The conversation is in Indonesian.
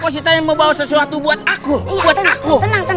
sesuatu buat aku aku